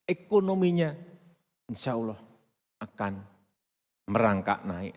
ekonominya insya allah akan merangkak naik